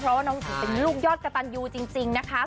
เพราะว่าน้องถือเป็นลูกยอดกระตันยูจริงนะคะ